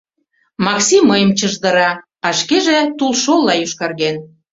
— Макси мыйым чыждыра, а шкеже тулшолла йошкарген.